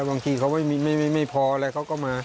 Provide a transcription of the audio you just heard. บางทีเขาไม่พออะไรเขาก็มา